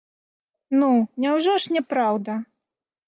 Ну, няўжо ж не праўда!